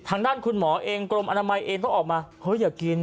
ทางด้านคุณหมอเองกรมอนามัยเองต้องออกมาเฮ้ยอย่ากิน